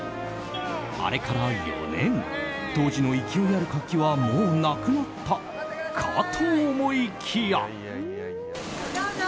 あれから４年当時の勢いある活気はもうなくなったかと思いきや！